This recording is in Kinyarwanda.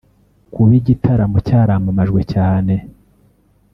Kuba iki gitaramo cyaramamajwe cyane